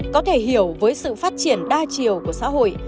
có thể hiểu với sự phát triển đa chiều của xã hội